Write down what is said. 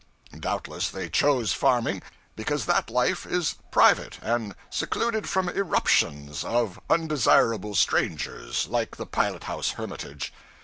Doubtless they chose farming because that life is private and secluded from irruptions of undesirable strangers like the pilot house hermitage.